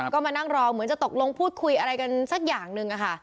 ก็มานั่งรอเหมือนจะตกลงพูดคุยอะไรกันสักอย่างหนึ่งค่ะ